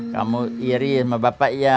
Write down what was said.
kamu iri sama bapak iya